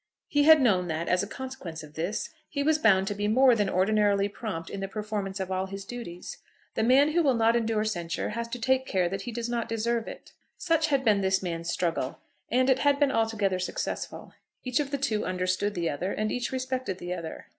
He had known that, as a consequence of this, he was bound to be more than ordinarily prompt in the performance of all his duties. The man who will not endure censure has to take care that he does not deserve it. Such had been this man's struggle, and it had been altogether successful. Each of the two understood the other, and each respected the other.